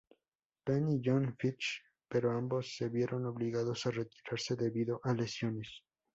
Penn y Jon Fitch, pero ambos se vieron obligados a retirarse debido a lesiones.